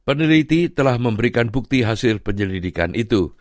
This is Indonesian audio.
peneliti telah memberikan bukti hasil penyelidikan itu